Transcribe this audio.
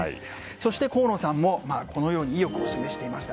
そして、河野さんもこのように意欲を示していました。